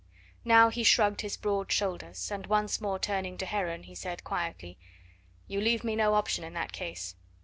Now he shrugged his broad shoulders, and once more turning to Heron he said quietly: "You leave me no option in that case.